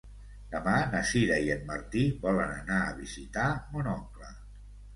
Demà na Sira i en Martí volen anar a visitar mon oncle.